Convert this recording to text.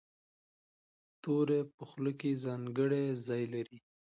توری په خوله کې ځانګړی ځای لري.